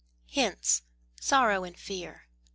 Hence! Sorrow and Fear!